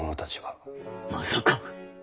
まさか！